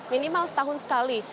minimal setahun sekali